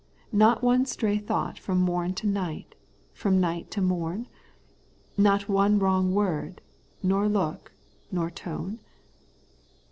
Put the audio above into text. not one stray thought from mom to night, from night to morn ? Not one wrong word, nor look, nor tone